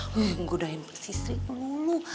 nggoda nggodain si sri dulu